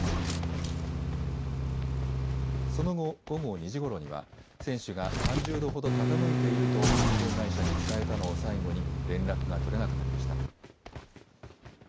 その後、午後２時ごろには、船首が３０度ほど傾いていると、運航会社に伝えたのを最後に連絡が取れなくなりました。